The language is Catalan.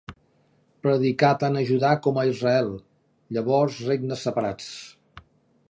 Predicà tant a Judà com a Israel, llavors regnes separats.